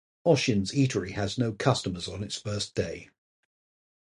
Oshin's eatery has no customers on its first day.